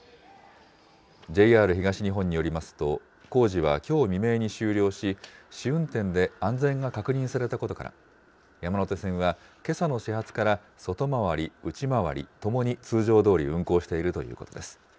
ＪＲ東日本によりますと、工事はきょう未明に終了し、試運転で安全が確認されたことから、山手線はけさの始発から外回り、内回りともに通常どおり運行しているということです。